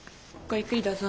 ゆっくりどうぞ。